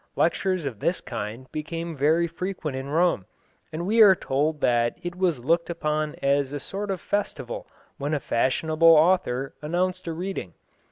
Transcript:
Lectures of this kind became very frequent in Rome, and we are told that it was looked upon as a sort of festival when a fashionable author announced a reading.